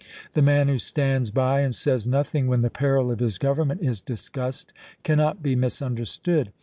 The man who stands by and says nothing when the peril of his Government is discussed cannot be misunderstood.